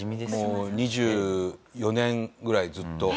もう２４年ぐらいずっと。